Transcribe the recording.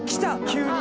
急に。